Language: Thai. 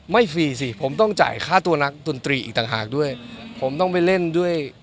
ฟรีสิผมต้องจ่ายค่าตัวนักดนตรีอีกต่างหากด้วยผมต้องไปเล่นด้วย